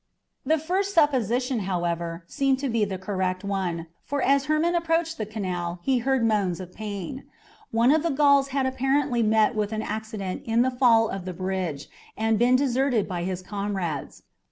The first supposition, however, seemed to be the correct one, for as Hermon approached the canal he heard moans of pain. One of the Gauls had apparently met with an accident in the fall of the bridge and been deserted by his comrades.